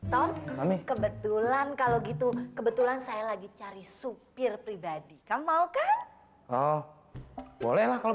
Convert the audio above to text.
hai tom kebetulan kalau gitu kebetulan saya lagi cari supir pribadi kamu mau kan oh bolehlah kalau